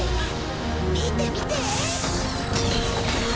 見て見て！